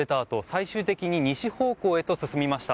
最終的に西方向へと進みました。